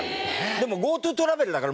でもＧｏＴｏトラベルだから。